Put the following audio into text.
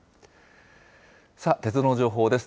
さあ、鉄道の情報です。